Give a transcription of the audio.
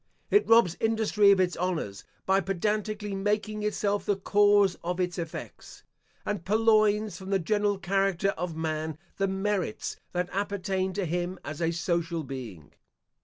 It robs industry of its honours, by pedantically making itself the cause of its effects; and purloins from the general character of man, the merits that appertain to him as a social being.